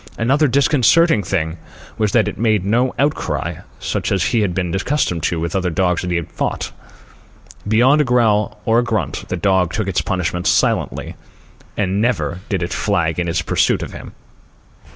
Another disconcerting thing was that it made no outcry, such as he had been accustomed to with the other dogs he had fought. Beyond a growl or a grunt, the dog took its punishment silently. And never did it flag in its pursuit of him.